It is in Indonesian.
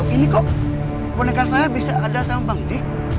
ini kok boneka saya bisa ada sama bangdik